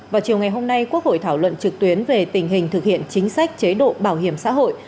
vào chiều ngày hôm nay quốc hội thảo luận trực tuyến về tình hình thực hiện chính sách chế độ bảo hiểm xã hội